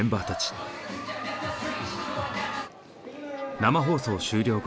生放送終了後。